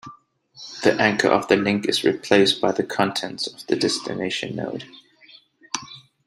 The anchor of the link is replaced by the contents of the destination node.